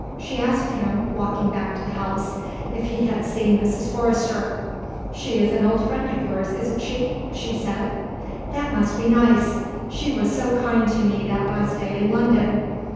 She asked him, walking back to the house, if he had seen Mrs. Forrester. "She is an old friend of yours, isn't she?" she said. "That must be nice. She was so kind to me that last day in London.